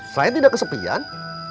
saya tidak kesepian